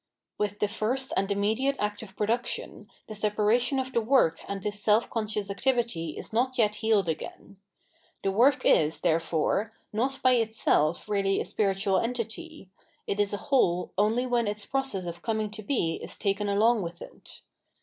With the first and immediate act of production, the separation of the work and Ms self conscious activity is not yet healed again. The work is, therefore, not by itself really a spiritual entity ; it is a whole only when its process of coming to be is taken along with it.